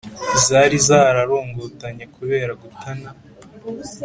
Zari zararongotanye kubera gutana